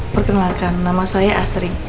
perkenalkan nama saya asring